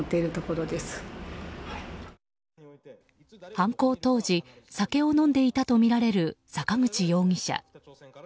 犯行当時、酒を飲んでいたとみられる坂口容疑者。